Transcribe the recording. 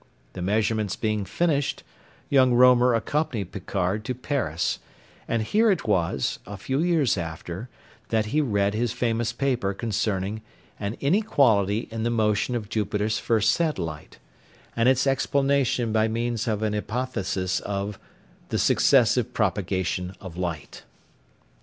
The measurements being finished, young Roemer accompanied Picard to Paris, and here it was, a few years after, that he read his famous paper concerning "An Inequality in the Motion of Jupiter's First Satellite," and its explanation by means of an hypothesis of "the successive propagation of light."